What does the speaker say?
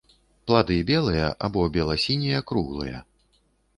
Плады белыя або бела-сінія круглыя.